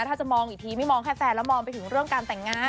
ถ้าจะมองอีกทีไม่มองแค่แฟนแล้วมองไปถึงเรื่องการแต่งงาน